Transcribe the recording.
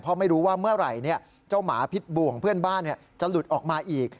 เพราะไม่รู้ว่าเมื่อไหร่เจ้าหมาพิษบ่วงเพื่อนบ้านจะหลุดออกมาอีก